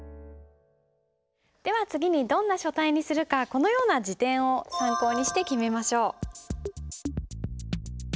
では次にどんな書体にするかこのような字典を参考にして決めましょう。